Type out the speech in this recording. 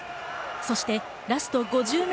そしてラスト５０ｍ。